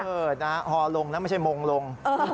เออนะฮอลงนะไม่ใช่มงลง